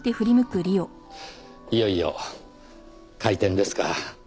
いよいよ開店ですか。